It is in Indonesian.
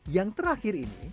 yang terakhir ini